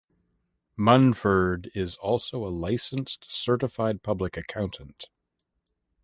Munford is also a licensed Certified Public Accountant.